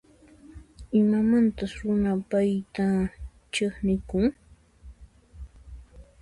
Imamantas runa payta chiqnikun?